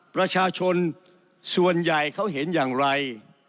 ประชาชนส่วนใหญ่เขาเห็นอย่างไร